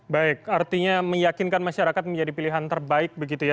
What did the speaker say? baik artinya meyakinkan masyarakat menjadi pilihan terbaik begitu ya